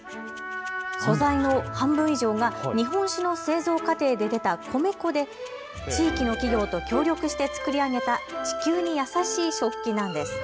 素材の半分以上が日本酒の製造過程で出た米粉で地域の企業と協力して作り上げた地球に優しい食器なんです。